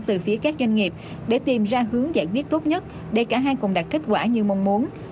từ phía các doanh nghiệp để tìm ra hướng giải quyết tốt nhất để cả hai cùng đạt kết quả như mong muốn